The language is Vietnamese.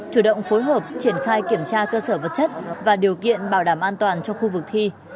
chủ động phối hợp triển khai kiểm tra cơ sở vật chất và điều kiện bảo đảm an toàn cho khu vực thi